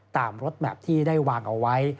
ตามรถแมพที่ได้วางเอาไว้